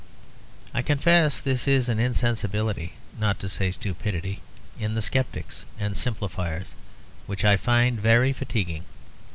I confess this is an insensibility, not to say stupidity, in the sceptics and simplifiers, which I find very fatiguing.